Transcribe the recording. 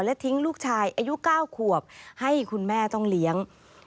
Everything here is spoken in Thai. และทิ้งลูกชายอายุ๙ขวบให้คุณแม่ต้องเลี้ยง